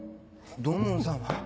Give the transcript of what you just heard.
土門さんは。